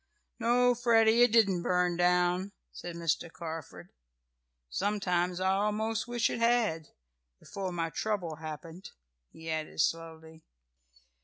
"No, Freddie, it didn't burn down," said Mr. Carford. "Sometimes I almost wish it had before my trouble happened," he added slowly.